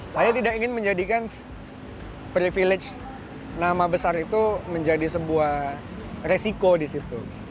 saya tidak ingin menjadikan privilege nama besar itu menjadi sebuah resiko di situ